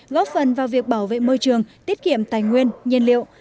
góp phần vào việc bảo vệ môi trường tiết kiệm tài nguyên nhiên liệu